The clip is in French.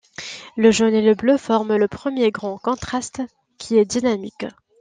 Le jaune et le bleu forment le premier grand contraste, qui est dynamique.